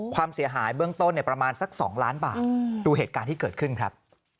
ความเสียหายเบื้องต้นประมาณสัก๒ล้านบาทดูเหตุการณ์ที่เกิดขึ้นครับ